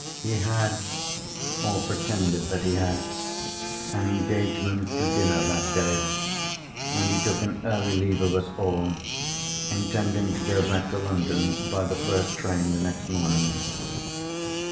He had (or pretended that he had) an engagement to dinner that day—and he took an early leave of us all; intending to go back to London by the first train the next morning.